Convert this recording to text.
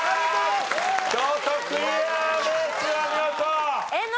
京都クリアです。